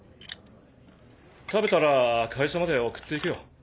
食べたら会社まで送って行くよ。